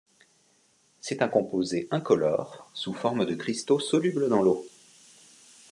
C'est un composé incolore, sous formes de cristaux solubles dans l'eau.